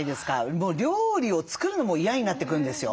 もう料理を作るのも嫌になってくるんですよ。